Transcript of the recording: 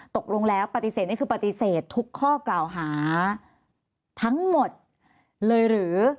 ตกลงแล้วปฏิเสธนี่คือปฏิเสธทุกข้อกล่าวหาทั้งหมดเลยหรือ